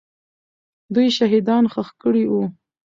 دوی شهیدان ښخ کړي وو.